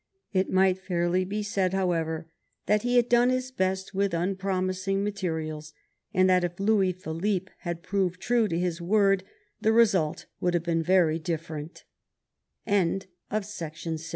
It might fairly be said, how ever, that he had done his best with unpromising mate rials, and that, if Louis Philippe had proved true to his word, the result would have been very different* 6